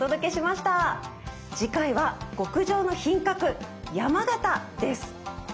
次回は「極上の品格山形」です。